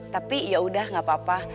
tapi yaudah gak apa apa